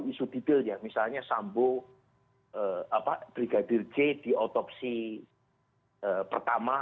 isu detailnya misalnya sambu brigadir c diotopsi pertama